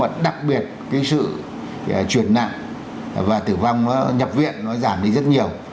và đặc biệt cái sự chuyển nặng và tử vong nhập viện nó giảm đi rất nhiều